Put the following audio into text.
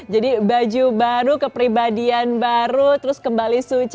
jadi baju baru kepribadian baru terus kembali suci kembali berubah